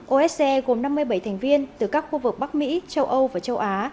osce gồm năm mươi bảy thành viên từ các khu vực bắc mỹ châu âu và châu á